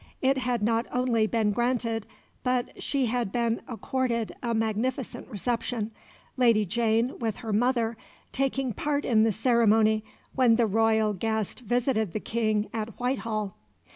It had not only been granted, but she had been accorded a magnificent reception, Lady Jane, with her mother, taking part in the ceremony when the royal guest visited the King at Whitehall.